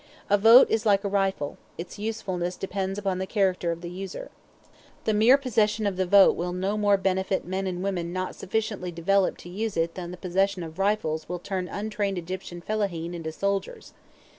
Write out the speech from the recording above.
A vote is like a rifle: its usefulness depends upon the character of the user. The mere possession of the vote will no more benefit men and women not sufficiently developed to use it than the possession of rifles will turn untrained Egyptian fellaheen into soldiers.